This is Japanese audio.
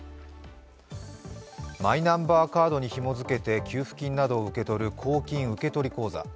マイナンバーカードにひも付けて給付金などを受け取る公金受取口座。